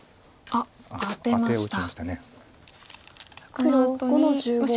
黒５の十五。